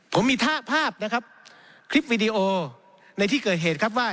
ผมมีภาพคริปวีดีโอในที่เกิดเหตุว่า